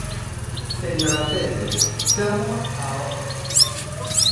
Señora Telles, ¡chámoa á orde!